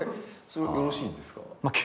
それよろしいんですか？